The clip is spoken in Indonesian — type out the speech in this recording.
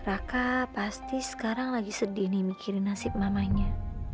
aku sekarang sedih mikirin nasib mamanya